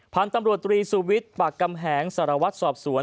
ผ่านตำรวจรีซูวิทปากกำแหงสารวัตรสอบสวน